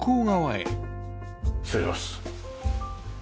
失礼します。